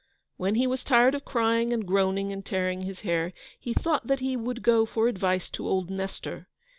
When he was tired of crying and groaning and tearing his hair, he thought that he would go for advice to old Nestor.